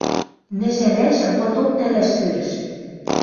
Мӹжӓрӓшӹм пыток нӓлӓш сӧрӹш.